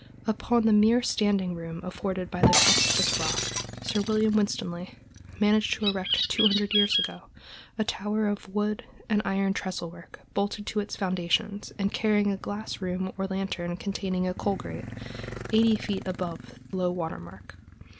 Upon the mere standing room afforded by the crest of this rock, Sir William Winstanley managed to erect, two hundred years ago, a tower of wood and iron trestle work, bolted to its foundation and carrying a glass room or lantern containing a coal grate, eighty feet above low water mark.